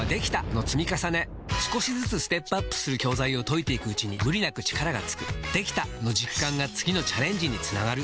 少しずつステップアップする教材を解いていくうちに無理なく力がつく「できた！」の実感が次のチャレンジにつながるよし！